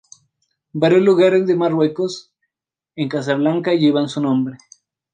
Varios lugares en Marruecos, en Casablanca llevan su nombre.